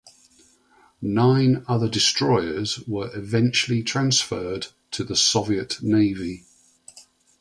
Nine other destroyers were eventually transferred to the Soviet Navy.